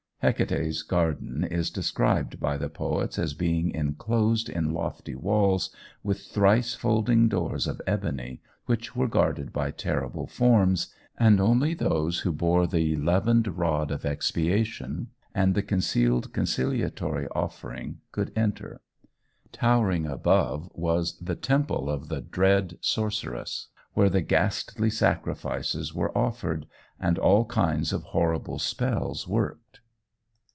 Hecate's garden is described by the poets as being enclosed in lofty walls with thrice folding doors of ebony, which were guarded by terrible forms, and only those who bore the leavened rod of expiation and the concealed conciliatory offering could enter. Towering above was the temple of the dread sorceress, where the ghastly sacrifices were offered and all kinds of horrible spells worked.